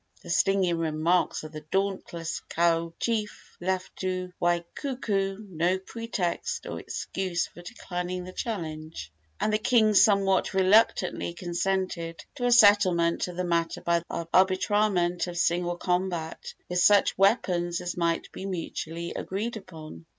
The stinging remarks of the dauntless Kau chief left to Waikuku no pretext or excuse for declining the challenge, and the king somewhat reluctantly consented to a settlement of the matter by the arbitrament of single combat, with such weapons as might be mutually agreed upon.